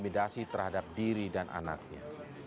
intimidasi terhadap diri dan anaknya